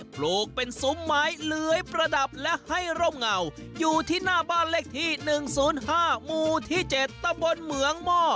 ปลูกเป็นสุมหมายเหลือยประดับและให้ร่มเงาอยู่ที่หน้าบ้านเลขที่หนึ่งศูนย์ห้ามูที่เจ็ดตะบนเหมืองม่อ